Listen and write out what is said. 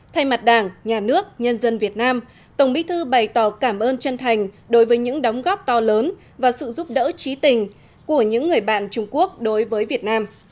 thay mặt đảng nhà nước nhân dân việt nam tổng bí thư bày tỏ cảm ơn chân thành đối với những đóng góp to lớn và sự giúp đỡ trí tình của những người bạn trung quốc đối với việt nam